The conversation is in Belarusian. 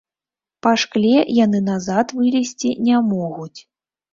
Па шкле яны назад вылезці не могуць.